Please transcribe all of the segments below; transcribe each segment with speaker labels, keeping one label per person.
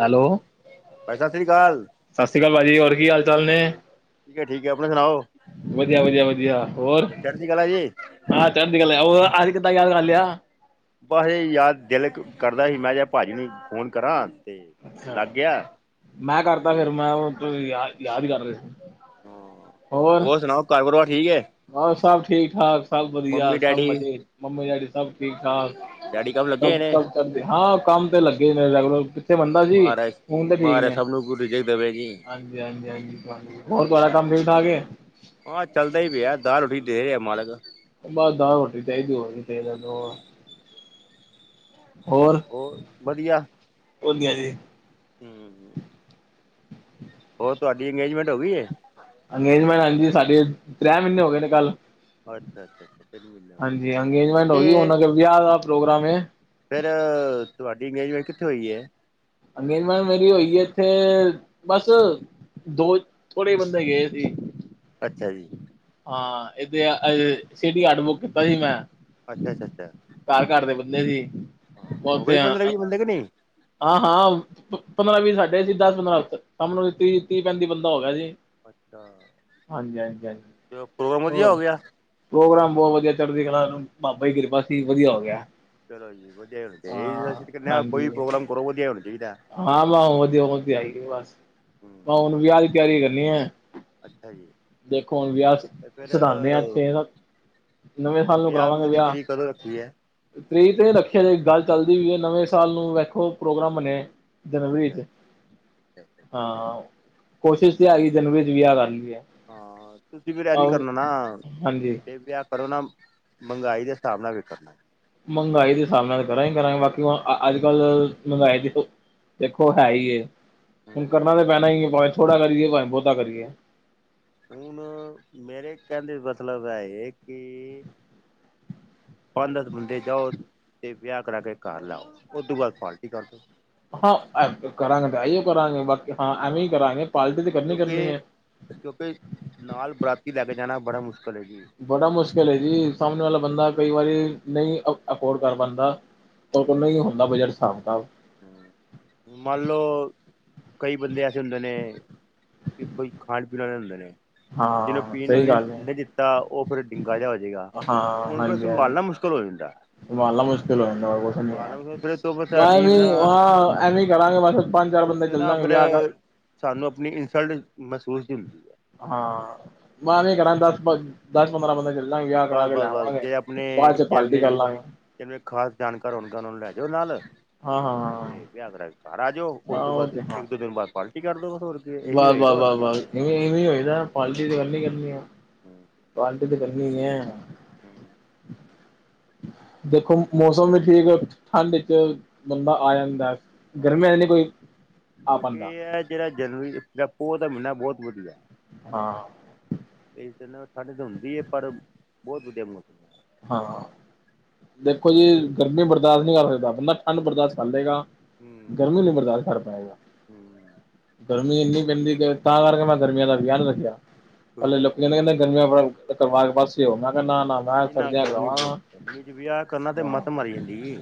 Speaker 1: Hello.
Speaker 2: ਭਾਈ ਸ੍ਰੀ ਅਕਾਲ
Speaker 1: ਸਤਿ ਸ੍ਰੀ ਅਕਾਲ ਭਾਜੀ ਹੋਰ ਕੀ ਹਾਲ- ਚਾਲ ਨੇ?
Speaker 2: ਠੀਕ ਹੈ ਠੀਕ ਹੈ, ਆਪਣਾ ਸੁਣਾਓ।
Speaker 1: ਵਧੀਆ ਵਧੀਆ ਵਧੀਆ ਹੋਰ
Speaker 2: ਚੜ੍ਹਦੀ ਕਲਾ ਜੀ
Speaker 1: ਹਾਂ ਚਰਦੀ ਕਲਾ ਔਰ ਅੱਜ ਕਿਦਾ ਯਾਦ ਕਰ ਲਿਆ
Speaker 2: ਬਸ ਯਾਰ ਦਿਲ ਕਰਦਾ ਸੀ ਮੈਂ ਜਹਾ ਭਾਜੀ ਨੂੰ ਫੋਨ ਕਰਾਂ ਤੇ
Speaker 1: ਅੱਛਾ
Speaker 2: ਲੱਗ ਗਿਆ
Speaker 1: ਮੈਂ ਕਰਤਾ
Speaker 2: ਤੇ
Speaker 1: ਫਿਰ ਮੈਂ ਉਹ ਯਾਦ ਯਾਦ ਕਰ ਰਹੇ ਸੀ।
Speaker 2: ਹਾਂ ਹੋਰ ਸੁਣਾਓ ਘਰ ਪਰੀਵਾਰ ਠੀਕ ਹੈ।
Speaker 1: ਹੋਰ ਸਭ ਠੀਕ ਠਾਕ ਸਭ ਵਧੀਆ
Speaker 2: ਮੰਮੀ
Speaker 1: ਸਭ
Speaker 2: ਡੈਡੀ
Speaker 1: ਮਜ਼ੇ ਮੰਮੀ ਡੈਡੀ ਸਭ ਠੀਕ ਠਾਕ
Speaker 2: ਡੈਡੀ ਕੰਮ ਲੱਗੇ ਹੋਏ ਨੇ
Speaker 1: ਸਭ ਕਰਦੇ ਹਾਂ ਕੰਮ ਤੇ ਲੱਗੇ ਨੇ ਰੈਗੂਲਰ ਕਿੱਥੇ ਬੰਦਾ ਜੀ
Speaker 2: ਮਾਰਿਆ ਸਭ ਨੂੰ ਗੁਰੂਜੇ ਦੇਵੇ ਜੀ
Speaker 1: ਹਾਂਜੀ-ਹਾਂਜੀ ਹੋਰ ਤੁਹਾਡਾ ਕੰਮ ਠੀਕ ਠਾਕ ਹੈ।
Speaker 2: ਹਾਂ ਚੱਲਦਾ ਹੀ ਪਿਆ ਦਾਲ ਰੋਟੀ ਦੇ ਰਿਹਾ ਮਾਲਕ
Speaker 1: ਬਸ ਦਾਲ ਰੋਟੀ ਚਾਹੀਦੀ ਹੋਰ ਕਿ ਚਾਹੀਦਾ ਤੇ ਇਹਨਾਂ ਹੋਰ
Speaker 2: ਹੋਰ ਵਧੀਆ
Speaker 1: ਵਦੀਆ ਜੀ
Speaker 2: ਹਮ ਹਮ ਹੋਰ ਤੁਹਾਡੀ ਅੰਗੇਜਮੈਂਟ ਹੋ ਗਈ ਏ
Speaker 1: ਅੰਗੇਜਮੈਂਟ ਹਾਂਜੀ ਸਾਡੇ ਤਰ ਮਹੀਨੇ ਹੋ ਗਏ ਨੇ ਕੱਲ੍ਹ
Speaker 2: ਅੱਛਾ ਅੱਛਾ ਤੈਨੂੰ
Speaker 1: ਹਾਂਜੀ
Speaker 2: ਮਿਲਣਾ
Speaker 1: ਅੰਗੇਜਮੈਂਟ ਹੋ
Speaker 2: ਕਿੱਥੇ
Speaker 1: ਗਈ ਉਹਨਾਂ ਵਿਆਹ ਦਾ ਪ੍ਰੋਗਰਾਮ ਇਹ
Speaker 2: ਫਿਰ ਤੁਹਾਡੀ ਅੰਗੇਜਮੈਂਟ ਕਿੱਥੇ ਹੋਈ ਹੈ।
Speaker 1: ਇੰਗੇਜਮੈਂਟ ਮੇਰੀ ਹੋਈ ਹੈ ਇੱਥੇ ਬਸ ਦੋ ਥੋੜੇ ਬੰਦੇ ਗਏ ਸੀ
Speaker 2: ਅੱਛਾ ਜੀ
Speaker 1: ਹਾਂ ਇਹਦੇ ਸਟੀ ਆਡ ਬੁੱਕ ਕੀਤਾ ਸੀ ਮੈਂ
Speaker 2: ਅੱਛਾ ਅੱਛਾ ਅੱਛਾ
Speaker 1: ਘਰ ਘਰ ਦੇ ਬੰਦੇ ਸੀ ਉੱਥੇ
Speaker 2: ਦੇ ਕਿ ਨਹੀਂ
Speaker 1: ਹਾਂ ਹਾਂ ਪੰਦਰਾਂ ਵੀਹ ਸਾਡੇ ਸੀ ਦਸ ਪੰਦਰਾਂ ਸਾਹ ਨੂੰ ਤੀਹ ਤੀਹ ਪੈਂਤੀ ਬੰਦਾ ਹੋ ਗਿਆ ਸੀ।
Speaker 2: ਅੱਛਾ
Speaker 1: ਹਾਂਜੀ ਹਾਂਜੀ ਹਾਂਜੀ
Speaker 2: ਪ੍ਰੋਗਰਾਮ ਵਧੀਆ
Speaker 1: ਹੋਰ
Speaker 2: ਹੋ ਗਿਆ
Speaker 1: ਪ੍ਰੋਗਰਾਮ ਬਹੁਤ ਵਧੀਆ ਚੜ੍ਹਦੀ ਕਲਾ ਬਾਬਾ ਦੀ ਕਿਰਪਾ ਸੀ ਵਧੀਆ ਹੋ ਗਿਆ
Speaker 2: ਚਲੋ ਜੀ ਵਧੀਆ ਹੋਣ
Speaker 1: ਹਾਂ
Speaker 2: ਚ ਕੋਈ
Speaker 1: ਹਾਂਜੀ
Speaker 2: ਪ੍ਰੋਗਰਾਮ ਕਰੋ ਵਧੀਆ ਹੋਣਾ ਚਾਹੀਦਾ
Speaker 1: ਹਾਂ ਮੈਂ ਵਧੀਆ ਆਈ ਬਸ
Speaker 2: ਹੂੰ
Speaker 1: ਮੈਂ ਹੁਣ ਵਿਆਹ ਤਿਆਰੀ ਕਰਨੀ ਆ
Speaker 2: ਅੱਛਾ ਜੀ
Speaker 1: ਦੇਖੋ ਹੁਣ ਵੀਆਹ
Speaker 2: ਤੇ ਫਿਰ
Speaker 1: ਸਧਾਉਂਦੇ ਹਾਂ ਇੱਥੇ ਨਵੇਂ
Speaker 2: ਤੇ
Speaker 1: ਸਾਲ ਨੂੰ ਕਰਾਵਾਂਗੇ
Speaker 2: ਵਿਊਹ ਦੀ
Speaker 1: ਵਿਆਹ
Speaker 2: ਤਰੀਕ ਕਦੋਂ ਰੱਖੀ ਹੈ
Speaker 1: ਤੀਹ ਤੇ ਰੱਖਿਆ ਜ ਗੱਲ ਚੱਲਦੀ ਵੀਈ ਹੈ ਨਵੇਂ ਸਾਲ ਨੂੰ ਵੇਖੋ ਪ੍ਰੋਗਰਾਮ ਬਨਿਆ ਜਨਵਰੀ
Speaker 2: ਅੱਛਾ
Speaker 1: ਚ
Speaker 2: ਅੱਛਾ
Speaker 1: ਹਾਂ ਕੋਸ਼ਿਸ਼ ਤੇ ਹੈਗੀ ਜਨਵਰੀ ਚ ਵਿਆਹ ਕਰ ਲਈ ਹੈ।
Speaker 2: ਹਾਂ ਤੁਸੀਂ ਬਰਿਆਨੀ ਕਰਨਾ ਨਾ
Speaker 1: ਹਾਂਜੀ
Speaker 2: ਤੇ ਵਿ ਪਰ ਉਹਨਾਂ ਮਹਿੰਗਾਈ ਦੇ ਸਾਵਨਾ ਵੀ ਕਰਨਾ
Speaker 1: ਮਹਿੰਗਾਈ ਦੇ ਹਿਸਾਬ ਨਾਲ ਕਰਾਂਗੇ ਕਰਾਂਗੇ ਬਾਕੀ ਹੁਣ ਅੱਜ ਕੱਲ੍ਹ ਮਹਿੰਗਾਈ ਦੀ ਦੇਖੋ ਹੈ ਹੀ ਹੁਣ
Speaker 2: ਹੂੰ
Speaker 1: ਕਰਨਾ ਤਾਂ ਪੈਣਾ ਹੀ ਹੈ ਭਾਵੇਂ ਥੋੜਾ ਕਰੀਏ ਭਾਵੇਂ ਬਹੁਤਾ ਕਰੀਏ
Speaker 2: ਹੁਣ ਮੇਰੇ ਕਹਿਣ ਦੇ ਮਤਲਬ ਹੈ ਇਹ ਕਿ ਪੰਜ ਦਸ ਬੰਦੇ ਜਾਓ ਤੇ ਵਿਆਹ ਕਰਾ ਕੇ ਘਰ ਲਾਓ ਉਤੋ ਬਾਦ ਘਰ ਪਾਰਟੀ ਕਰਲੋ
Speaker 1: ਹਾਂ ਕਰਾਂਗੇ ਤਾਂ ਆਈਓ ਕਰਾਂਗੇ ਬਾਕੀ ਹਾਂ ਐਵੇਂ ਹੀ ਕਰਾਂਗੇ ਪਾਲਟੀ ਤੇ ਕਰਨੀ ਕਰਨੀ
Speaker 2: ਕਿਉਂਕਿ
Speaker 1: ਹੈ।
Speaker 2: ਕਿਉਂਕਿ ਨਾਲ ਬਰਾਤੀ ਲੈ ਕੇ ਜਾਣਾ ਬੜਾ ਮੁਸ਼ਕਿਲ ਹੈ ਜੀ।
Speaker 1: ਬੜਾ ਮੁਸ਼ਕਿਲ ਹੈ ਜੀ ਸਾਹਮਣੇ ਵਾਲਾ ਬੰਦਾ ਕਈ ਵਾਰੀ ਨਹੀਂ ਅਫੋਰਡ ਕਰ ਪਾਉਂਦਾ ਨ ਹੀ ਹੁੰਦਾ ਬਜਟ ਹਿਸਾਬ ਤਾਬ
Speaker 2: ਹ ਮੰਨ ਲੋਓ ਕਈ ਬੰਦੇ ਐਸੇ ਹੁੰਦੇ ਨੇ ਕੋਈ ਖਾਣ ਪੀਣ ਵਾਲੇ ਹੁੰਦੇ ਨੇ ਜਿਹਨੂੰ
Speaker 1: ਹਾਂ
Speaker 2: ਪੀਣ
Speaker 1: ਸਹੀ ਗੱਲ ਹੈ।
Speaker 2: ਨਹੀਂ ਦਿੱਤਾ ਉਹ ਫਿਰ ਡਿੰਗਾ ਜਿਹਾ ਹੋਜਏਗਾ
Speaker 1: ਹਾਂ
Speaker 2: ਹੁਣ ਫੇਰ
Speaker 1: ਹਾਂਜੀ ਹਾਂਜੀ
Speaker 2: ਸੰਭਾਲਣਾ ਮੁਸ਼ਕਿਲ [unintelligible]
Speaker 1: ਸੰਭਾਲਣਾ ਮੁਸ਼ਕਿਲ ਹੋ ਜਾਂਦਾ ਉ ਤੇ ਨਹੀਂ ਹੈ
Speaker 2: ਸੰਭਾਲਣਾ ਫਿਰ ਤੋਂ ਸਾਡੀ
Speaker 1: ਐਵੇ
Speaker 2: ਨਾ
Speaker 1: ਹਾਂ ਐਵੇ ਹੀ ਕਰਾਂਗੇ ਮਸ ਪੰਜ ਚਾਰ ਬੰਦੇ
Speaker 2: ਉੱਥੇ ਨਾ
Speaker 1: ਚੱਲਦਾਗੇ
Speaker 2: ਫਿਰ
Speaker 1: ਵਿਆਹ ਕਰ
Speaker 2: ਸਾਨੂੰ ਆਪਣੀ ਇਨਸਲਟ ਮਹਿਸੂਸ ਹੁੰਦੀ ਹੈ
Speaker 1: ਹਾਂ, ਮੈਂ ਘੜ
Speaker 2: ਬਸ
Speaker 1: ਦਸ ਦਸ ਪੰਦਰਾਂ ਬਦ ਕਰਲਾਂਗੇ ਵਿਆਹ ਕਰਾ ਕੇ
Speaker 2: ਬਸ ਬਸ
Speaker 1: ਲੈਵਾਂਗੇ ਬਾਅਦ ਚ ਪਾਲਟੀ ਕਰ ਲਾਂਗੇ
Speaker 2: ਜਨੂੰ ਖਾਸ ਜਾਣਕਾਰ ਹੋਣਗੇ ਉਹਨਾਂ ਨੂੰ ਲੈ ਜਾਓ ਨਾਲ
Speaker 1: ਹਾਂ ਹਾਂ
Speaker 2: ਤੇ ਕ ਕਰ ਘਰ ਆ ਜਾਓ ਉਸਤ
Speaker 1: ਹਾਂ
Speaker 2: ਤੋਂ ਬਾਅਦ ਇੱਕ ਦੋ ਦਿਨ ਬਾਅਦ ਪਾਰਟੀ ਕਰਦੋ
Speaker 1: ਵਾਹ- ਵਾਹ, ਵਾਹ -ਵਾਹ ਇਵੇਂ ਇਵੇਂ ਹੋਏਦਾ ਪਟੀ ਦੀ ਗੱਲ ਨ ਕਰਨੀ ਆ
Speaker 2: ਹਮ
Speaker 1: ਪਾਰਟੀ ਤੇ ਕਰਨੀ ਐ
Speaker 2: ਹਮ
Speaker 1: ਦੇਖੋ ਮੌਸਮ ਵੀ ਠੀਕ ਠੰਢ ਵਿੱਚ ਬੰਦਾ ਆ ਜਾਂਦਾ
Speaker 2: ਹਾਂ,
Speaker 1: ਗਰਮੀਆਂ ਚ ਨੀ ਕੋਈ ਆ
Speaker 2: ਕਿਉਂਕਿ
Speaker 1: ਪਾਂਦਾ
Speaker 2: ਹੈ ਜਿਹੜਾ ਜਨਵਰੀ ਆਪੋ ਉਹਦਾ ਮਹੀਨਾ ਬਹੁਤ ਵਧੀਆ
Speaker 1: ਹਾਂ
Speaker 2: ਇਸ ਜਗ੍ਹਾ ਤਾਂ ਠੰਡ ਹੋਹੁੰਦੀ ਹੈ ਪਰ ਬਹੁਤ ਵਧੀਆ ਮੁਸਮ
Speaker 1: ਹਾਂ ਦੇਖੋ ਜੀ,
Speaker 2: ਕਿਉਂਕਿ
Speaker 1: ਗਰਮੀ ਬਰਦਾਸ਼ਤ ਨਹੀਂ ਕਰ ਸਕਦਾ, ਬੰਦਾ ਠੰਡ ਬਰਦਾਸ਼ਤ ਕਰਏਗਾ ਗਰਮੀ ਨਹੀਂ ਬਰਦਾਸ਼ ਕਰ ਪਾਏਗਾ
Speaker 2: ਹਮ
Speaker 1: ਗਰਮੀ ਇੰਨੀ ਪੈਂਦੀ ਤਾਂ ਕਰਕੇ, ਮੈਂ ਗਰਮੀਆਂ ਦਾ ਵਿਆਹ ਨ ਰੱਖਿਆ ਪਹਿਲੇ ਲੋਕੀ ਨੇ ਕਹਿੰਦੇ, ਗਰਮੀਆਂ ਕਰਵਾ ਕੇ ਪਾਸਓ ਮੈਂ ਕਹਿੰਦਾ ਨਾ ਮੈਂ
Speaker 2: ਨਾ
Speaker 1: ਸਰਦੀਆਂ
Speaker 2: ਗਰਮੀ ਬਹੁਤ
Speaker 1: ਚਕਰਾਵਾਂਗਾ [unintelligible]
Speaker 2: ਗਰਮੀ ਚ ਵਿਆਹ ਕਰਨਾ ਤੇ ਮੱਤ ਮਾਰੀ ਜਾਂਦੀ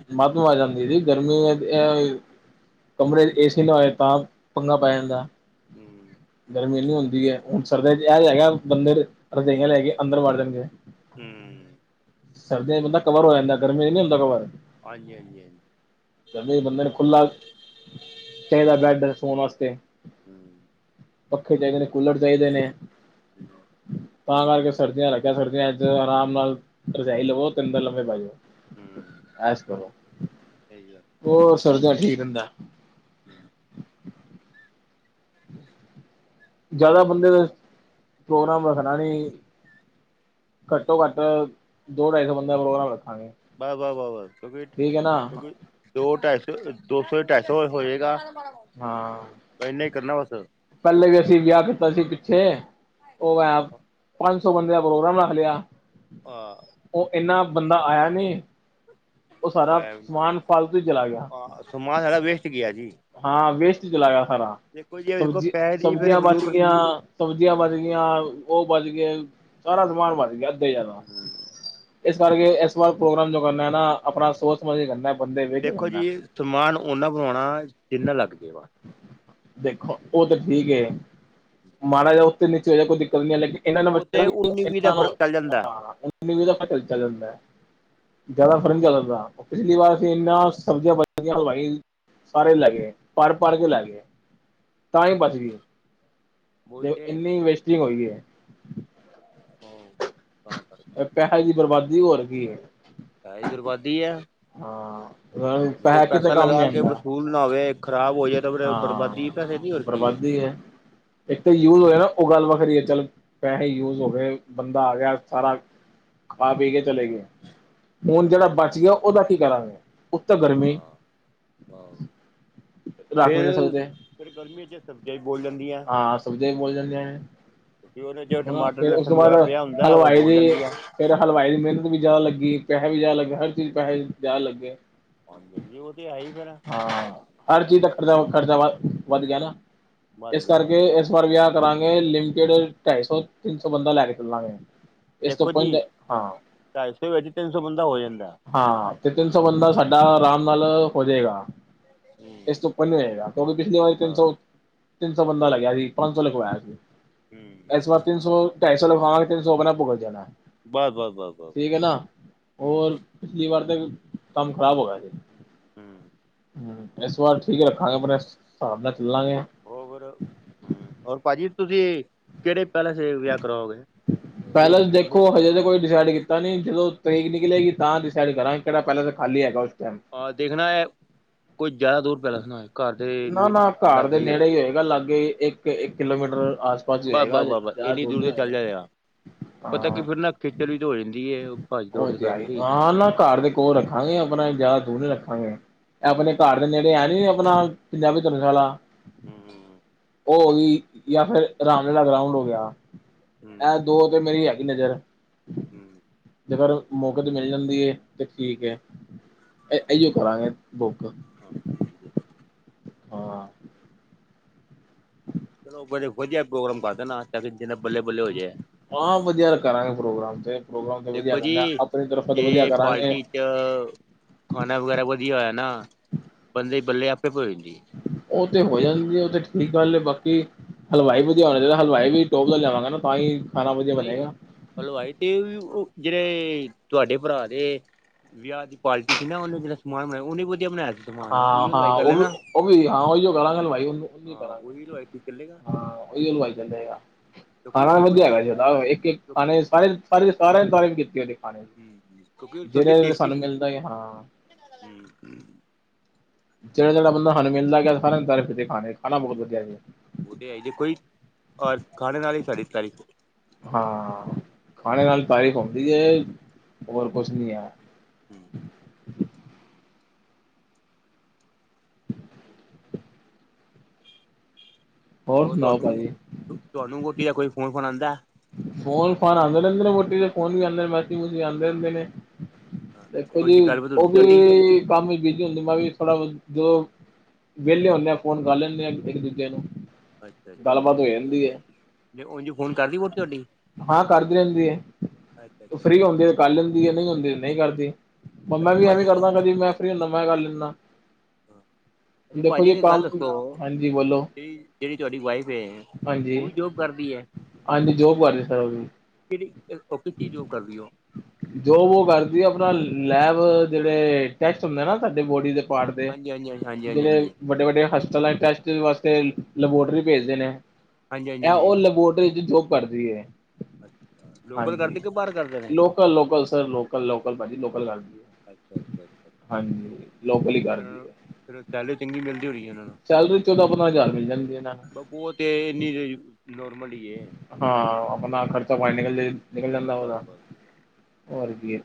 Speaker 1: ਕਮਰੇ ਏਸੇ ਲਵਾਏ ਤਾਂ ਪੰਗਾ ਪਾਇ ਜਾਂਦਾ
Speaker 2: ਹਮ
Speaker 1: ਗਰਮੀ ਨੀ ਹੁੰਦੀ ਹੈ, ਹੁਣ ਸਰਦੀਆਂ ਚ ਇਹ ਹੈਗਾ ਬੰਦੇ ਰਜਈਆਂ ਲੈ ਕੇ ਅੰਦਰ ਵੜ ਜਾਣਗੇ
Speaker 2: ਹਮ
Speaker 1: ਸਰਦੀਆਂ ਚ ਬੰਦਾ ਕਵਰ ਹੋ ਜਾਂਦਾ ਗਰਮੀ ਨੀ ਹੁੰਦਾ ਕਵਰ
Speaker 2: ਹਾਂਜੀ -ਹਾਂਜੀ
Speaker 1: ਜਵੇ ਬੰਦੇ ਨੂੰ ਖੁੱਲਾ ਚਾਹੀਦਾ ਬੈਡ ਸੋਨ ਵਾਸਤੇ
Speaker 2: ਹੂੰ
Speaker 1: ਪੱਖੇ ਚਾਹੀਦੇ ਨੇ, ਕੁਲੜ ਚਈਦੇ ਨੇ
Speaker 2: ਹਮ
Speaker 1: ਤਾਂ ਕਰਕੇ ਸਰਦੀਆਂ ਲੱਗਿਆ ਸਰਦੀਆਂ ਅੱਜ ਆਰਾਮ ਨਾਲ ਰਜਾਈ ਲਵੋ ਅੰਦਰ ਲੰਬੇ ਪੈ ਜੋ
Speaker 2: ਹੂੰ
Speaker 1: ਐਸ ਕਰੋ
Speaker 2: ਸਹੀ ਗੱਲ
Speaker 1: ਹੋਰ ਸਰਦੀਆਂ ਚੂ ਠੀਕ ਰਹਿੰਦਾ
Speaker 2: [inaudible]
Speaker 1: ਜ਼ਿਆਦਾ ਬੰਦੇ ਦਾ ਪ੍ਰੋਗਰਾਮ ਰੱਖਣਾ ਨਹੀਂ ਘੱਟੋ ਘੱਟ ਦੋ ਢਾਈ ਸੌ ਬੰਦਾ ਪ੍ਰੋਗਰਾਮ ਰੱਖਾਂਗੇ
Speaker 2: ਬਸ ਬਸ ਕਿਉਂਕਿ
Speaker 1: ਠੀਕ ਹੈ ਨਾ
Speaker 2: ਕਿਉਂਕਿ ਦੋ ਢਾਈ ਸੌ ਦੋ ਸੌ ਢਾਈ ਸੌ ਹੋਏਗਾ
Speaker 1: ਹਾਂ
Speaker 2: ਇੰਨਾ ਹੀ ਕਰਨਾ ਬਸ
Speaker 1: ਪਹਿਲੇ ਵੀ ਅਸੀਂ
Speaker 2: ਕਿਉਂਕਿ
Speaker 1: ਵਿਆਹ ਸੀ ਪਿੱਛੇ ਉਹ ਮੈਂ ਪੰਜ ਸੌ ਬੰਦ ਦਾ ਪ੍ਰੋਗਰਾਮ ਰੱਖ ਲਿਆ
Speaker 2: ਹਾਂ
Speaker 1: ਉਹ ਇੰਨਾ ਬੰਦਾ ਆਇਆ ਨਹੀਂ, ਉਹ ਸਾਰਾ ਸਮਾਨ ਫਾਲਤੂ ਹੀ ਚਲਾ ਗਿਆ
Speaker 2: ਮਾਲ ਸਾਰਾ ਵੇਸਟ ਗਿਆ ਜੀ
Speaker 1: ਹਾਂ, ਵੇਸਟ ਚਲਾ ਗਿਆ ਸਾਰਾ
Speaker 2: ਦੇਖੋ ਜੀ ਦੇਖੋ
Speaker 1: ਸਬਜ਼
Speaker 2: ਪੈਸੇ ਦੀ ਫਿਰ
Speaker 1: ਸਬਜ਼ੀਆਂ ਬਚ
Speaker 2: ਫਜੂਲ
Speaker 1: ਗਈਆਂ ਸਬਜ਼ੀਆਂ ਬਚ ਗਈਆਂ, ਉਹ ਬਚ ਗਏ, ਸਾਰਾ ਸਮਾਨ ਬਚ ਗਿਆ, ਅੱਧੇ ਜਿਆਦਾ ਇਸ ਕਰਕੇ ਇਸ ਵਾਰ ਪ੍ਰੋਗਰਾਮ ਜੋ ਕਰਨਾ ਹੈ ਨਾ ਆਪਣਾ ਸੋਚ ਸਮਝ ਕਰਨਾ ਬੰਦੇ ਵੇਖ ਕੇ
Speaker 2: ਦੇਖੋ ਜੀ,
Speaker 1: ਕਰਨਾ
Speaker 2: ਸਮਾਨ ਓਨਾ ਬਣਾਉਣਾ ਜਿੰਨਾ ਲੱਗ ਜਾ ਵਾ
Speaker 1: ਦੇਖੋ ਉਹ ਤਾਂ ਠੀਕ ਮਾਾਰਾਜ ਉੱਥਤੇ ਨੀਚੇ ਹੋ ਜਾਹਾ ਕੋਈ ਦਿੱਕਤ ਨੀ ਆ ਲੇਕਿ ਇਹਨਾਂ
Speaker 2: ਉਹ ਤੇ ਉੱਨੀ ਵੀਹ ਦਾ
Speaker 1: ਬਨਾਂ
Speaker 2: ਫ਼ਰਕ ਚੱਲ ਜਾਂਦਾ
Speaker 1: ਪਲ ਜਾਂਦਾ ਜ਼ਿਆਦਾ ਫਰਨ ਚੱਲਦਾ ਪਿਛਲੀ ਵਾਰ ਅਸੀਂ ਇਨਾ ਸਬਜ਼ੀਆਂ ਬਚਆਂ ਹਵਾਈ ਪਰ ਹੀ ਲੱਗੇ ਪਰ ਪਰ ਕੇ ਲੱਗੇ ਤਾਂ ਹੀ ਬਚ ਗਈ
Speaker 2: ਉਹੀ
Speaker 1: ਦੇ
Speaker 2: ਤੇ
Speaker 1: ਇੰਨੀ ਵੇਸਟਿੰਗ ਹੋਈ ਹੈ
Speaker 2: ਤਾਂ ਫ
Speaker 1: ਹੈੀ ਬਰਬਾਦੀ ਹੋਰ ਕੀ ਹੈ
Speaker 2: ਹੈ ਹੀ ਬਰਬਾਦੀ ਹੈ
Speaker 1: ਹਾਂ
Speaker 2: ਦੇਖੋ
Speaker 1: ਪੈਸਾ ਕਿਤੇ ਕੰਮ ਨੀ
Speaker 2: ਲਗਾ ਕੇ
Speaker 1: ਆਉਂਦਾ
Speaker 2: ਵਸੂਲ ਨਾ ਹੋਵੇ ਖ਼ਰਾਬ ਹੋ ਜਾਏ ਤਾਂ ਫਿਰ ਬਰਬਾਦੀ ਪੈਸੇ ਦੀ
Speaker 1: ਹਾਂ
Speaker 2: ਹੋਰ ਕੀ
Speaker 1: ਬਰਬਾਦੀ ਹੈ ਹ [inaudible] ਇੱਕ ਤਾਂ ਯੂਜ ਹੋਆ ਨਾ ਉਹ ਗੱਲ ਵੱਖਰੀ ਹੈ ਚੱਲ ਪੈਸੇ ਯੂਜ ਹੋ ਗਏ ਬੰਦਾ ਆ ਗਿਆ ਸਾਰਾ ਖਾ ਪੀ ਕੇ ਚਲੇ ਗਏ ਹੁਣ ਜਿਹੜਾ ਬਚ ਗਿਆ ਉਹਦਾ ਕੀ ਕਰਾਂਗੇ ਉੱਤ ਗਰਮੀ
Speaker 2: ਆਹ
Speaker 1: ਰੱਖ ਵੀ ਨਹੀਂ
Speaker 2: ਫ
Speaker 1: ਸਕਦੇ
Speaker 2: ਫਿਰ ਗਰਮੀੀਆਂ ਚ ਸਬਜ਼ੀਆਂ ਬੋਲ ਜਾਂਦੀਆਂ
Speaker 1: ਹਾਂ ਸੁਜੇ ਬੋਲ ਜਾਂਦੇ ਨੇ
Speaker 2: ਕਿਉਂਕਿ ਉਹਦੇ ਚ
Speaker 1: ਹਨਾ
Speaker 2: ਟਮਾਟਰ
Speaker 1: ਫੇਿਰ ਉਸ ਤੋਂ
Speaker 2: ਲਸਣ
Speaker 1: ਬਾਅਦ
Speaker 2: ਵਗੈਰਾ ਪਿਆ ਹੁੰਦਾ ਉਹ
Speaker 1: ਹਲਵਾਈ
Speaker 2: ਬੋਲ
Speaker 1: ਦੀ
Speaker 2: ਜਾਂਦੀ ਆ
Speaker 1: ਫੇਿਰ ਹਲਵਾਈ ਦੀ ਮਿਹਨਤ ਵੀ ਜ਼ਿਆਦਾ ਲੱਗੀ ਪੈਸੇ ਵੀ ਜ਼ਿਆਦਾ ਲੱਗੇ ਹਰ ਚੀਜ਼ ਪੈਸੇ ਜ਼ਿਆਦਾ ਲੱਗੇ
Speaker 2: ਹਾਂਜੀ ਜੀ ਉਹ ਤੇ ਹੈ ਹੀ ਫੇਿਰ
Speaker 1: ਹਾਂ ਹਰ ਚੀਜ਼ ਦਾ ਖਰਚਾ ਖਰਚਾ ਵ ਵੱਧ ਗਿਆ ਨਾ
Speaker 2: ਵੱਧ
Speaker 1: ਇਸ
Speaker 2: ਗਿਆ ਵੱਧ
Speaker 1: ਕਰਕੇ
Speaker 2: ਗਿਆ।
Speaker 1: ਇਸ ਇਸ ਵਾਰ ਵਿਆਹ ਕਰਾਂਗੇ ਲਿਮਟਡ ਢਾਈ ਸੌ ਤਿੰਨ ਸੌ ਬੰਦਾ ਲੈ ਕੇ ਚਲਾਂਗੇ
Speaker 2: ਦੇਖੋ ਜੀ ਢਾਈ ਸੌ ਅੇ ਤਿੰਨ ਸੌ ਬੰਦਾ ਹੋ ਜਾਂਦਾ
Speaker 1: ਹਾਂ ਤੇ ਤਿੰਨ ਸੌ ਬੰਦਾ ਸਾਡਾ ਆਰਾਮ ਨਾਲ ਹੋ ਜਾਏਗਾ
Speaker 2: ਹੂੰ
Speaker 1: ਇਹ ਸੌਪਨਵੇਂ ਹੈਗਾ ਕਿਉਂਿ ਪਿਛਲੀ ਵਾਰੀ ਤਿੰਨ
Speaker 2: ਹੂੰ
Speaker 1: ਸੌ ਤਿੰਨ ਸੌ ਬੰਦਾ ਲੱਗਿਆ ਸੀ ਪੰਜ ਸੌ ਲਿਗਵਾਇਆ ਸੀ ਇਸ ਵਾਰ ਤਿੰਨ ਸੌ ਢਾਈ ਸੌ ਲਵਾਵਾਂਗੇ ਤਿੰਨ ਸੌ ਆਪਣਾ ਭੁਗਤ ਜਾਣਾ ਹੈ
Speaker 2: ਬਸ ਬਸ ਬਸ ਬਸ
Speaker 1: ਠੀਕ ਹੈ ਨਾ
Speaker 2: ਹੂੰ
Speaker 1: ਹੋਰ ਪਿਛਲੀ ਵਾਰ ਤੇ ਕੰਮ ਖ਼ਰਾਬ ਹੋ ਗਿਆ ਜੇ
Speaker 2: ਹਮ
Speaker 1: ਹਮ ਇਸ ਵਾਰ ਠੀਕ ਰੱਖਾਂਗੇ ਮਣੇ ਹਿਸਾਬ ਨਾਲ ਚੱਲਾਂਗੇ
Speaker 2: ਹੋ ਫਿਰ ਹਮ ਹੋਰ ਪਾਜੀ ਤੁਸੀਂ ਕਿਹੜੇ ਪਹਿਲੇ ਵਿਆਹ ਕਰਵਾਓਗੇਏ ਨਹੀਂ
Speaker 1: ਪੈਲੇਸ ਦੇਖੋ ਹਜੇ ਤਾਂ ਕੋਈ ਡਿਸਾਈਡ ਕੀਤਾ ਤਾਂ ਨਹੀਂ ਜਦੋਂ ਤਰੇਕ ਨਿਕਲੇਗੀ ਤਾਂ ਡਿਸਾਈਡ ਕਰਾਂਗੇ ਕਿਹੜਾ ਪਹਿਲਾਂ ਤਾਂ ਖਾਲੀ ਹੈਗਾ ਉਸ ਟਾਈਮ
Speaker 2: ਦੇਖਣਾ ਹੈ ਕੁਝ ਜ਼ਿਆਦਾ ਦੂਰ ਪੈਲੇਸ ਨਾ ਹੋਏ ਘਰ
Speaker 1: ਨਾ
Speaker 2: ਦੇ
Speaker 1: ਨਾ ਘਟ ਦੇ
Speaker 2: ਲਾਗੇ ਹੋਏ
Speaker 1: ਨੇੜੇ ਹੀ ਹੋਏਗਾ ਲਾਗੇ ਇੱਕ ਇੱਕ ਕਿਲੋਮੀਟਰਸ ਹੋਗਾ
Speaker 2: ਬਸ ਬਸ ਬਸ ਬਸ
Speaker 1: ਜ਼ਿਆ
Speaker 2: ਇੰਨੀ
Speaker 1: ਦੂਰ ਨ
Speaker 2: ਤੇ ਚੱਲ
Speaker 1: ਹੋਏਗਾ
Speaker 2: ਜਾਏਗਾ ਪਤਾ ਕੀ
Speaker 1: ਹਾਂ
Speaker 2: ਫਿਰ ਨਾ ਖੇਚਲ ਵੀ ਤਾਂ ਹੋ ਜਾਂਦੀ ਹੈ ਭੱਜ ਦੌੜ
Speaker 1: ਉਹ ਤੇ
Speaker 2: ਕਰਨ
Speaker 1: ਆਈ
Speaker 2: ਦੀ
Speaker 1: ਹਾਂ ਨਾ ਘਰ ਦੇ ਕੋ ਰੱਖਾਂਗੇ ਆਪਣਾ ਜ਼ਿਆਦਾ ਦੂਨੇ ਰੱਖਾਂਗੇ ਆਪਣੇ
Speaker 2: ਹੂੰ
Speaker 1: ਘਰ ਨੇੜੇ ਹੈ ਨੀ ਆਪਣਾ ਪੰਜਾਬੀ ਧਰਨਸ਼ਾਲਾ
Speaker 2: ਹਮ ਹਮ ਹਮ
Speaker 1: ਉਹ ਗਈ ਜਾਂ ਫੇਿਰ ਆਰਾਮ ਨਾਲ ਲਗਰਾਊਂਡ ਹੋ ਗਿਆ ਐ ਦੋ ਤੇ ਮੇਰੀ ਹੈਗੀ ਨਜ਼ਰ
Speaker 2: ਹਮ
Speaker 1: ਜੇਕਰ ਮੌਕੇ ਤੇ ਮਿਲ ਜਾਂਦੀ ਹੈ ਤੇ ਠੀਕ ਹੈ ਅਓ ਕਰਾਂਗੇ ਬੁੱਕ
Speaker 2: ਹਾਂਜੀ
Speaker 1: ਹਾਂ
Speaker 2: ਚਲੋ ਵਧੇ ਵਧੀਆ ਪ੍ਰੋਗਰਾਮ ਕਰਦੇ ਨਾ ਤਾਂਕ ਜਿੰਨੇ ਬੱਲੇ ਬੱਲੇ ਹੋ ਜਾਏ
Speaker 1: ਹਾਂ ਵਧੀਆ ਕਰਾਂਗੇ ਪ੍ਰੋਗਰਾਮ ਤੇ ਪ੍ਰੋਗਰਾਮ ਤੇ ਵਧੀਆ
Speaker 2: ਦੇਖੋ ਜੀ
Speaker 1: ਕਰਨਾ ਆਪਣੀ ਤਰਫ਼ਾ ਤੇ ਵਧੀਆ
Speaker 2: ਜੇ
Speaker 1: ਕਰਾਂਗੇ
Speaker 2: ਪਾਰਟੀ ਖਾਣਾ ਵਗੈਰਾ ਵਧੀਆ ਹੋਇਆ ਨਾ ਬੰਦੇ ਬੱਲੇ ਆਪੇ ਭ ਜਾਂਦੀ
Speaker 1: ਉਹ ਤੇ ਹੋ ਜਾਂਦੀ ਹੈ ਉਹ ਤੇ ਠੀਕ ਗੱਲ ਬਾਕੀ ਹਲਵਾਈ ਵਧੀਆ ਹੋਣਾ ਚਾਹੀਦਾ ਹਲਵਾਈ ਵੀ ਟੋਪ ਦਾ ਲਵਾਂਗੇ ਨਾ ਤਾਂ ਹੀ ਖਾਣਾ ਵਧੀਆ
Speaker 2: ਨਹੀਂ
Speaker 1: ਬਣੇਗਾ।
Speaker 2: ਹਲਵਾਈ ਤੇ ਉਹ ਜਿਹੜੇ ਤੁਹਾਡੇ ਭਰਾ ਦੇ ਵਿਆਹ ਦੀ ਪਾਰਟੀ ਸੀ ਨਾ ਉਹਨੇ ਜਿਨਾ ਸਮਾਨ ਬਣਾਆ ਉਹਨੇ ਵਧੀਆ ਬਣਾਇਆ ਸੀ ਸਮਾਨ ਉਹੀ
Speaker 1: ਹਾਂ
Speaker 2: ਹਲਵਾਈ
Speaker 1: ਹਾਂ
Speaker 2: ਕਰ
Speaker 1: ਉਹ ਵੀ
Speaker 2: ਲੈਣਾ
Speaker 1: ਉਹ ਵੀ ਹਾਂ ਉਹੀਓ ਕਰਾਂਗੇ ਬਾਈ ਉਹਨੂੰ ਉਹਨੂੰ ਹੀ
Speaker 2: ਹਾਂ ਉਹੀ
Speaker 1: ਕਰਾਂਗੇ
Speaker 2: ਹਲਵਾਈ ਠੀਕ ਚੱਲੇਗਾ
Speaker 1: ਹਾਂ ਉਹੀਵਾਈ ਜਾਂਦਾ ਹੈਗਾ
Speaker 2: ਕਿਉਂਕਿ
Speaker 1: ਖਾਣਾ
Speaker 2: ਉਹਦੇ ਕੋਲ ਨਾ
Speaker 1: ਵਧੀਆਗਾ ਇੱਕ ਇੱਕ
Speaker 2: ਕਿਉਂਕਿ
Speaker 1: ਖਾਣੇ ਸਾਰੇ ਸਾਰੇ ਸਾਰਿਆਂ ਸਾਰੀਆਂ ਕੀਤੀ ਉਹਦੀ
Speaker 2: ਹੂੰ ਕਿਉਂਕਿ ਉਹ ਸਬਜ਼ੀ
Speaker 1: ਜਿਹੜਾ
Speaker 2: ਟੇਸਟੀ
Speaker 1: ਸਾਨੂੰ
Speaker 2: ਸੀ
Speaker 1: ਮਿਲਦਾ ਹਾਂ
Speaker 2: [unintelligible]
Speaker 1: ਜਿਹੜਾ-
Speaker 2: ਹੂੰ
Speaker 1: ਜਿਹੜਾ, ਬੰਦਾ ਸਾਨੂੰ ਮਿਲਦਾ ਰਿਹਾ ਹਰ ਇੱਕ, ਨੇ ਤਾਰੀਫ ਕੀਤੀ ਖਾਨੇ ਦੀ
Speaker 2: ਓਤੇ ਹ਼਼ਹੈ ਇ ਜੇ ਕੋਈ ਖਾੇ ਨਾਲ ਹੀ ਸਾਢੇ ਤਾਰੀ
Speaker 1: ਹਾਂ, ਖਾਣੇ ਨਾਲ ਤਾਰੀਫ਼ ਹੁੰਦੀ ਹੈ। ਹੋਰ ਕੁਛ ਨਹੀਂ ਹੈ।
Speaker 2: ਠੀਕ ਹੈ [unintelligible] ਹੋਰ
Speaker 1: ਸੁਣਾਓ
Speaker 2: ਤੁਹਾਨੂੰ,
Speaker 1: ਭਾਜੀ
Speaker 2: ਤੁਹਾਨੂੰ ਬੋਟੀ ਦਾ ਕੋਈ ਫੋਨ- ਫੁਨ ਆਉਂਦਾ।
Speaker 1: ਫੋਨ ਫਾਨ ਤਾਂ ਆਉਂਦੇ ਰਹਿੰਦੇ ਨੇ ਵੋਟੀ ਤੇ। ਫੋਨ ਵੀ ਆਉਂਦੇ ਨੇ ਮੈਸੇਜ ਵੀ ਆਉਂਦੇ ਰਹਿੰਦੇ ਨੇ। ਦੇਖੋ ਜੀ
Speaker 2: ਉਝ ਗੱਲਬਾਤ
Speaker 1: ਉਹ
Speaker 2: ਹੁੰਦੀ ਤੁਹਾਡੀ
Speaker 1: ਵੀ, ਕੰਮ ਬਿਜੀ ਹੁੰਦੀ। ਮੈਂ ਵੀ ਥੋੜਾ ਵਿਹਲੇ ਹੁਦੇ ਆ, ਫੋਨ ਕਰ ਲੈਂਦੇ ਆ ਇੱਕ ਦੂਜੇ ਨੂੰ।
Speaker 2: ਅੱਛਾ-
Speaker 1: ਗੱਲਬਾਤ ਹੋ
Speaker 2: ਅੱਛਾ,
Speaker 1: ਜਾਂਦੀ ਹੈ
Speaker 2: ਤੇ ਉਝ ਫੋਨ ਕਰਦੀ ਵੋਟੀ ਤੁਹਾਡੀ।
Speaker 1: ਹਾਂ ਕਰਦੀ ਰਹਿੰਦੀ ਹੈ।
Speaker 2: ਅੱਛਾ ਅੱਛਾ
Speaker 1: ਫਰੀ ਹੁੰਦੀ ਹੈ ਕਰ ਲੈਂਦੀ ਹੈ, ਨਹੀਂ ਹੁੰਦੀ ਨਹੀਂ ਕਰਦੀ। ਮੈਂ
Speaker 2: ਅੱਛਾ
Speaker 1: ਵੀ ਐਵੇਂ
Speaker 2: ਭਾਜੀ
Speaker 1: ਕਰਦਾ। ਕਦੀ ਮੈਂ ਫਰੀ ਹੁੰਦਾ, ਮੈਂ ਕਰ ਲੈਂਦਾ।
Speaker 2: ਅੱਛਾ,
Speaker 1: ਦੇਖੋ
Speaker 2: ਭਾਅਜੀ
Speaker 1: ਜੀ
Speaker 2: ਇੱਕ
Speaker 1: ਕੰਮ
Speaker 2: ਗੱਲ ਦੱਸੋ।
Speaker 1: ਹਾਂਜੀ ਬੋਲੋ
Speaker 2: ਕਿ, ਜਿਹੜੀ ਤੁਹਾਡੀ ਵਾਈਫ ਹੈ
Speaker 1: ਹਾਂਜੀ
Speaker 2: ਉਹ ਵੀ ਜੋ ਕਰਦੀ ਹੈ।
Speaker 1: ਹਾਂਜੀ, ਜੋਬ ਕਰਦੇ ਸਰ ਉਹ ਵੀ।
Speaker 2: ਕਿਹੜੀ ਉਹ ਕਿੱਥੇ ਜੋਬ ਕਰਦੀ ਉਹ
Speaker 1: ਜੋਬ ਔਹ ਕਰਦੀ ਏ। ਆਪਣਾ ਲੈਬ ਜਿਹੜੇ ਟੈਕਟ ਹੁੰਦੇ ਨਾ ਤੁਹਾਡੇ ਬੋਡੀ ਦੇ। ਪਾਟ ਦੇ
Speaker 2: ਹਾਂਜੀ ਹਾਂਜੀ ਹਾਂਜੀ ਹਾਂਜੀ ਹਾਂਜੀ
Speaker 1: ਜਿਵੇਂ। ਵੱਡੇ- ਵੱਡੇ ਹਸਪਤਾਲਾਂ ਚ, ਟੈਸਟ ਵਾਸਤੇ ਲੈਬੋਰਟਰੀ ਭੇਜਦੇ ਨੇ।
Speaker 2: ਹਾਂਜੀ ਹਾਂਜੀ ਹਾਂਜੀ
Speaker 1: ਇਹ ਉਹ ਲੈਬੋਰਟਰੀ ਚ, ਜੋਬ ਕਰਦੀ ਹੈ,
Speaker 2: ਹਾਂਜੀ ਲੋਕਲ
Speaker 1: ਹਾਂਜੀ।
Speaker 2: ਕਰਦੇ ਕਿ ਬਾਹਰ ਕਰਦੇ ਨੇ
Speaker 1: ਲੋਕ ਲੋਕਲ ਸਰ ਲੋਕਲ- ਲੋਕਲ ਭਾਜੀ, ਸਰ ਲੋਕਲ।
Speaker 2: ਅੱਛਾ- ਅੱਛਾ, ਅੱਛਾ।
Speaker 1: ਹਾਂਜੀ ਲੋਕਲ ਹੀ
Speaker 2: ਫੇਰ
Speaker 1: ਕਰਦੀ ਹੈ
Speaker 2: ਉਹਨਾਂ ਨੂੰ ਸੈਲਰੀ ਚੰਗੀ ਮਿਲਦੀ ਹੋਣੀ ਹੈ ਉਹਨਾਂ ਨੂੰ।
Speaker 1: ਸੈਲਰੀ ਚੌਦਾਂ, ਪੰਦਰਾਂ ਹਜ਼ਾਰ ਮਿਲ ਜਾਂਦੀ ਇਹਨਾਂ ਨੂੰ।
Speaker 2: ਬਹੂ, ਉਹ ਤੇ ਇੰਨੀ ਨੋਰਮਲ ਹੀ ਹੈ।
Speaker 1: ਹਾਂ ਆਪਣਾ, ਖਰਚਾ ਪਾਣੀ ਨਿਕਲ, ਨਿਕਲ ਜਾਂਦਾ
Speaker 2: ਬਸ
Speaker 1: ਉਹਦਾ।
Speaker 2: ਬਸ
Speaker 1: ਹੋਰ ਕੀ,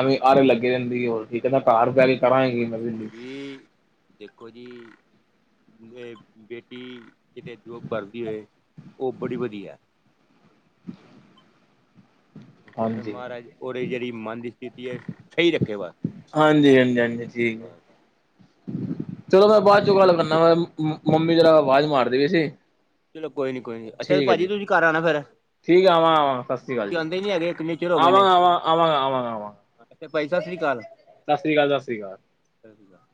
Speaker 1: ਐਵੇਂ ਆਰੇ ਲੱਗੀ ਰਹਿੰਦੀ ਏ। ਹੋਰ ਕਹਿੰਦਾ ਘਰ ਬਹਿ ਕੇ ਕਰਨਾ ਵੀ ਕੀ
Speaker 2: ਉਹ
Speaker 1: ਹੈ। ਮੈਂ ਵੀ
Speaker 2: ਦੇਖੋ ਜੀ ਦੇਖੋ ਜੀ, ਬੇਟੀ ਕਿਤੇ ਜੋਬ ਕਰਦੀ ਹੋਏ ਉਹ ਬੜੀ ਵਧੀਆ। ਕਹਿੰਦੇ
Speaker 1: ਹਾਂਜੀ। ਹਾਂਜੀ,
Speaker 2: ਮਹਾਰਾਜ, ਉਹਰੇ ਜਿਹੜੀ ਮਨ ਦੀ ਸਥਿਤੀ ਹੈ ਸਹੀ ਰੱਖੇ ਬਸ।
Speaker 1: ਹਾਂਜੀ- ਹਾਂਜੀ, ਹਾਂਜੀ। ਜੀ।
Speaker 2: ਕਿਉਂਕਿ
Speaker 1: ਚਲੋ ਮੈਂ ਬਾਅਦ ਚੋਂ,
Speaker 2: ਮਨ
Speaker 1: ਗੱਲ ਕਰਨਾ। ਮੰਮੀ ਜਰਾ ਆਵਾਜ਼ ਮਾਰਦੇ ਵੀ ਸੀ।
Speaker 2: ਚਲੋ ਕੋਈ ਨੀ ਕੋਈ ਨੀ। ਅੱਛਾ,
Speaker 1: ਠੀਕ ਹੈ
Speaker 2: ਭਾਜੀ
Speaker 1: ਜੀ।
Speaker 2: ਤੁਸੀਂ ਘਰ ਆਉਣਾ ਫੇਰ।
Speaker 1: ਠੀਕ ਆ, ਆਵਾਂ- ਆਵਾਂ ਸਤਿ ਸ਼੍ਰੀ ਅਕਾਲ
Speaker 2: ਤੁਸੀਂ
Speaker 1: ਜੀ।
Speaker 2: ਆਉਂਦੇ ਨੀ ਹੈਗੇ ਕਿੰਨੇ
Speaker 1: ਆਵਾਂਗੇ ਆਵਾਂਗਾ, ਆਵਾਂਗਾ, ਆਵਾਂ।
Speaker 2: ਤੇ ਭਾਈ ਸਤਿ ਸ੍ਰੀ ਅਕਾਲ।
Speaker 1: ਸਤਿ੍ਰੀ ਅਕਾਲ, ਸਤਿ ਸ੍ਰੀ ਅਕਾਲ।
Speaker 2: ਸਤਿ ਸ੍ਰੀ ਅਕਾਲ।